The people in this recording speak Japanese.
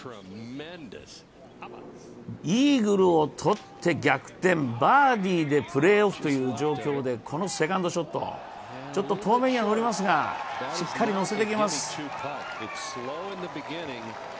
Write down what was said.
イーグルをとって逆転、バーディーでプレーオフという状況でこのセカンドショット、ちょっと遠目には乗りますが、しっかり乗せてきます。